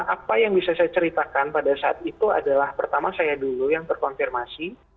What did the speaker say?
apa yang bisa saya ceritakan pada saat itu adalah pertama saya dulu yang terkonfirmasi